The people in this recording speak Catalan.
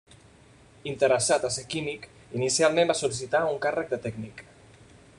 Interessat a ser químic, inicialment va sol·licitar un càrrec de tècnic.